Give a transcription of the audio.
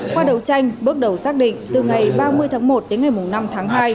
qua đấu tranh bước đầu xác định từ ngày ba mươi tháng một đến ngày năm tháng hai